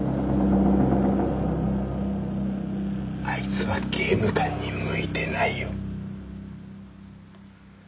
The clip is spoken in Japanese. あいつは刑務官に向いてないよ。